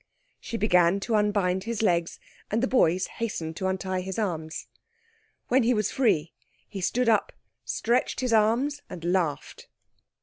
She began to unbind his legs, and the boys hastened to untie his arms. When he was free he stood up, stretched his arms, and laughed.